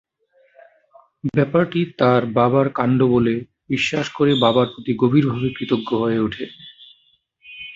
ব্যাপারটি তার বাবার কাণ্ড ব'লে বিশ্বাস করে বাবার প্রতি গভীরভাবে কৃতজ্ঞ হয়ে ওঠে।